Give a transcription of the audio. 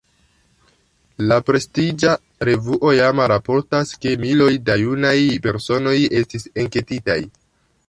La prestiĝa revuo Jama raportas, ke miloj da junaj personoj estis enketitaj.